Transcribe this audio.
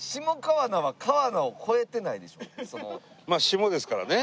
まあ「下」ですからね。